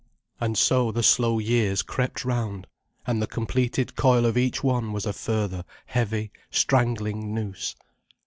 And so the slow years crept round, and the completed coil of each one was a further heavy, strangling noose.